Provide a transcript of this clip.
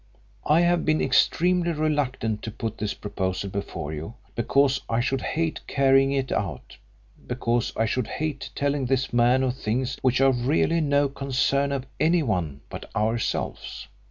I have been extremely reluctant to put this proposal before you, because I should hate carrying it out, because I should hate telling this man of things which are really no concern of anyone but ourselves.